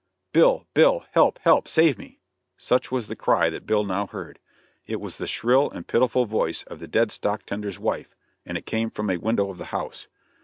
"Bill, Bill! Help! Help! save me!" Such was the cry that Bill now heard. It was the shrill and pitiful voice of the dead stock tender's wife, and it came from a window of the house.